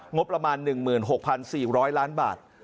งบประมาณ๑๖๔๐๐ล้านบาท